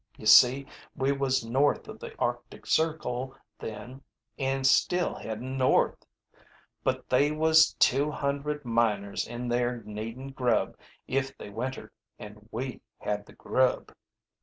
You see, we was north of the Arctic Circle then an' still headin' north. But they was two hundred miners in there needin' grub if they wintered, an' we had the grub.